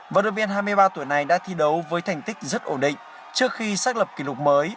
vận động viên hai mươi ba tuổi này đã thi đấu với thành tích rất ổn định trước khi xác lập kỷ lục mới